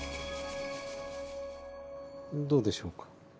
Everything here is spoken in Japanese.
どうでしょうか。